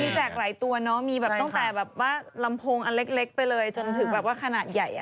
มีแจกหลายตัวเนาะมีตั้งแต่ลำโพงอันเล็กไปเลยจนถึงขนาดใหญ่